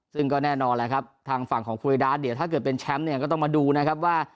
ซึ่งก็แน่นอนทางฝั่งของคุยดาถ้าเกิดเป็นแชมป์ก็ต้องมาดูว่า